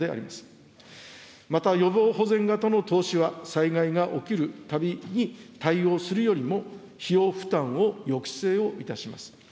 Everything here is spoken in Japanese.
また、予防保全型の投資は、災害が起きるたびに対応するよりも、費用負担を抑制をいたします。